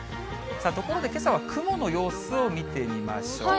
ところでけさは雲の様子を見てみましょう。